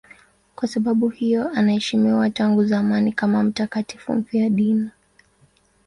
Kwa sababu hiyo anaheshimiwa tangu zamani kama mtakatifu mfiadini.